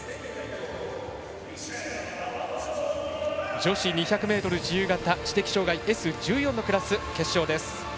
女子２００ｍ自由形知的障がいＳ１４のクラス決勝です。